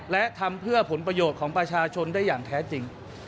และทำเพื่อผลประโยชน์ของประชาชนได้อย่างแท้จริง